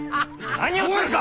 何をするか！